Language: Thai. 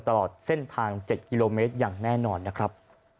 ตลอดเส้นทาง๗กิโลเมตรอย่างแน่นอนนะครับ